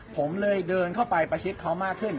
ผมเลยเดินเข้าไปประชิดเขามากขึ้น